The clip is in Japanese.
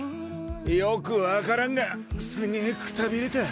よく分からんがすげぇくたびれた。